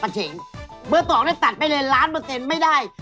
เบอร์สองได้ตัดไปเลยล้านเปอร์เตนไม่ได้